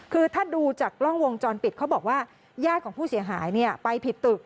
คือถ้าดูจากกล้องวงจรปิดเขาบอกว่าญาติของผู้เสียหายไปผิดตึก